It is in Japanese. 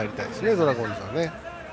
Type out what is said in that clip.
ドラゴンズはね。